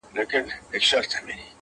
سر له کتابه کړه راپورته؛